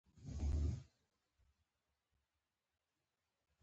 موږ ټول د پښتو ژبې لپاره په ګډه کار کوو.